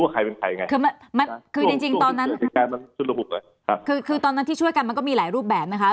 คือตอนนั้นที่ช่วยกันมันก็มีหลายรูปแบบนะคะ